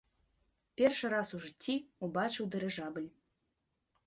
Першы раз у жыцці ўбачыў дырыжабль.